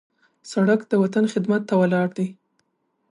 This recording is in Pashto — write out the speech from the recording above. سړک د وطن خدمت ته ولاړ دی.